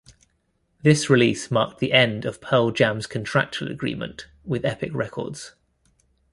This release marked the end of Pearl Jam's contractual agreement with Epic Records.